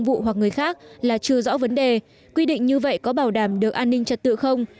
vụ hoặc người khác là chưa rõ vấn đề quy định như vậy có bảo đảm được an ninh trật tự không